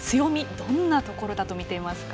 どんなところだと見ていますか？